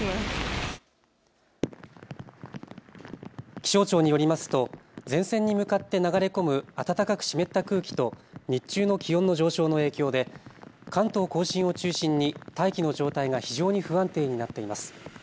気象庁によりますと前線に向かって流れ込む暖かく湿った空気と日中の気温の上昇の影響で関東甲信を中心に大気の状態が非常に不安定になっています。